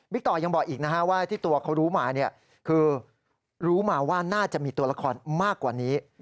ต่อยังบอกอีกนะฮะว่าที่ตัวเขารู้มาคือรู้มาว่าน่าจะมีตัวละครมากกว่านี้